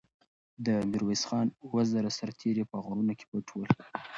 د میرویس خان اوه زره سرتېري په غرونو کې پټ ول.